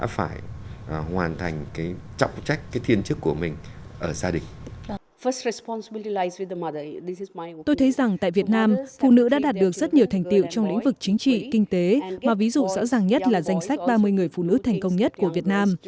phụ nữ đã đạt được rất nhiều thành tiệu trong lĩnh vực chính trị kinh tế mà ví dụ rõ ràng nhất là danh sách ba mươi người phụ nữ thành công nhất của việt nam